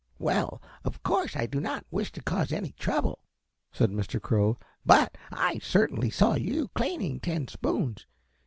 "Well, of course I do not wish to cause any trouble," said Mr. Crow, "but I certainly saw you cleaning tin spoons.